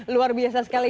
luar biasa sekali